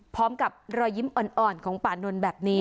พร้อมกับรอยยิ้มอ่อนของป่านนท์แบบนี้